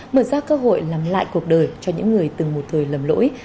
mở ra cơ hội làm lại cuộc đời cho những người từng một thời lầm lỗi